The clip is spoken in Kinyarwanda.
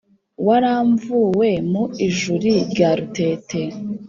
Waramvuwe mu ijuli rya Rutete